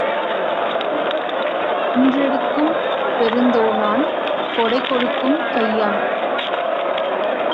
குன்றெடுக்கும் பெருந்தோளான் கொடைகொடுக்கும் கையான்!